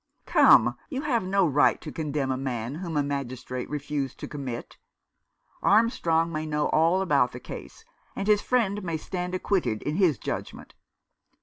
"Come you have no right to condemn a man whom a magistrate refused to commit. Armstrong may know all about the case, and his friend may stand acquitted in his judgment."